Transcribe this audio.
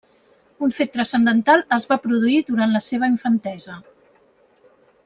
Un fet transcendental es va produir durant la seva infantesa.